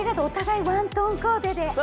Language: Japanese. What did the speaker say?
お互いワントーンコーデで。